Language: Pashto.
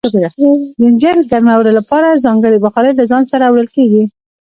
د انجن ګرمولو لپاره ځانګړي بخارۍ له ځان سره وړل کیږي